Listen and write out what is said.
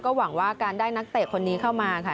หวังว่าการได้นักเตะคนนี้เข้ามาค่ะ